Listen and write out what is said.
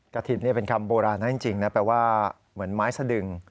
ถิตนี่เป็นคำโบราณนะจริงนะแปลว่าเหมือนไม้สะดึง